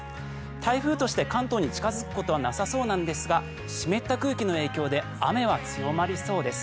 台風として関東に近付くことはなさそうなんですが湿った空気の影響で雨は強まりそうです。